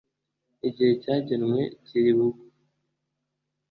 igihe cyagenwe kiri bugu